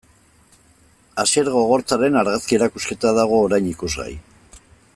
Asier Gogortzaren argazki erakusketa dago orain ikusgai.